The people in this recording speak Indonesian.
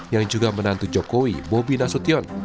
yang juga menantu jokowi bobi nasution